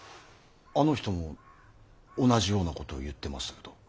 あの人も同じようなことを言ってましたけど。